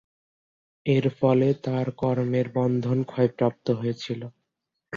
এর ফলে তাঁর কর্মের বন্ধন ক্ষয়প্রাপ্ত হয়েছিল।